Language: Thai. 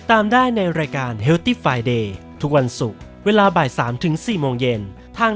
อย่างนี้กับฉัน